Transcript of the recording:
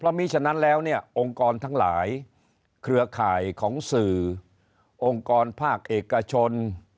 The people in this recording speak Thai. มีฉะนั้นแล้วเนี่ยองค์กรทั้งหลายเครือข่ายของสื่อองค์กรภาคเอกชน